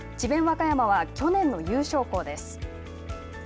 和歌山は去年の優勝校です。